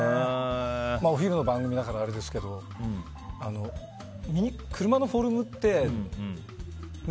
お昼の番組だからあれですけど車のフォルムって、ね！